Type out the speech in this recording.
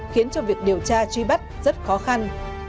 khiến cho việc điều tra truy bắt rất khó khăn